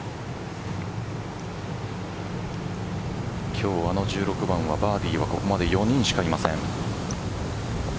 今日あの１６番はバーディーはここまで４人しかいません。